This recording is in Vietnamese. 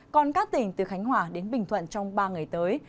còn các tỉnh từ khánh hòa đến bình thuận trong ba ngày tới